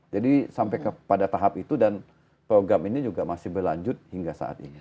jadi sampai pada tahap itu dan program ini juga masih berlanjut hingga saat ini